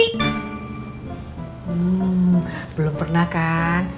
hmm belum pernah kan